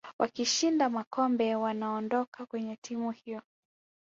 wakishinda makombe wanaondoka kwenye timu hiyo